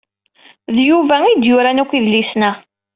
D Yuba i d-yuran akk idlisen-a.